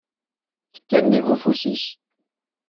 Tekka nnig ufus-is.